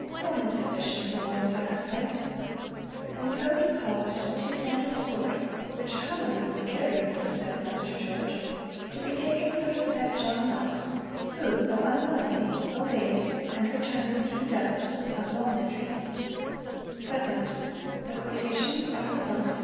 One is sufficient for one sacrifice." And so he caused a two handed sword (which commonly was carried with the said Master George) be taken from the said John Knox, who, although unwillingly, obeyed, and returned with Hugh Douglas of Longniddrie.'